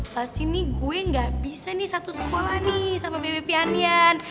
pasti nih gue gak bisa nih satu sekolah nih sama bp pianian